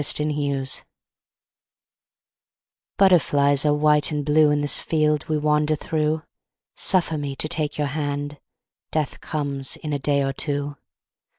MARIPOSA Butterflies are white and blue In this field we wander through. Suffer me to take your hand. Death comes in a day or two.